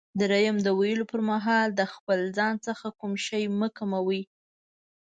دریم: د ویلو پر مهال د خپل ځان څخه کوم شی مه کموئ.